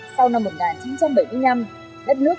sau năm một nghìn chín trăm bảy mươi năm đất nước